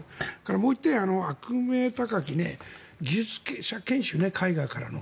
もう１点、悪名高き技術研修ね海外からの。